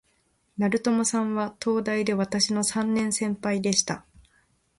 成友さんは、東大で私の三年先輩でした